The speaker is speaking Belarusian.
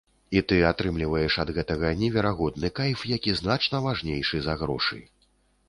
І ты атрымліваеш ад гэтага неверагодны кайф, які значна важнейшы за грошы.